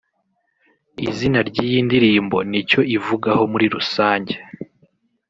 Izina ry’iyi ndirimbo n’icyo ivugaho muri rusange